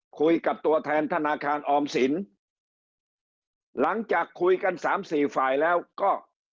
ตัวแทนธนาคารออมสินหลังจากคุยกันสามสี่ฝ่ายแล้วก็